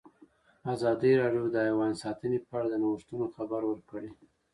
ازادي راډیو د حیوان ساتنه په اړه د نوښتونو خبر ورکړی.